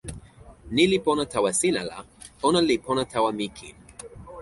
ni li pona tawa sina la, ona li pona tawa mi kin.